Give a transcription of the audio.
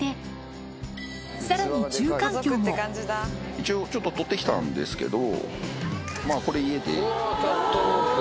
一応ちょっと撮ってきたんですけど。